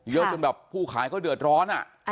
เยอะจนแบบผู้ขายเขาเดือดร้อนอ่ะ